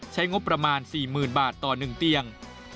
ใช้งบประมาณ๔๐๐๐บาทต่อ๑เตียง